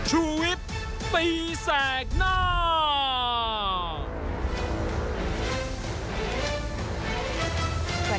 คุณชูเวทไม่ค่อยสบายนะครับ